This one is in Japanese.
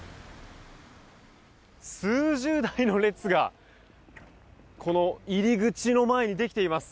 数十台の列がこの入り口の前にできています。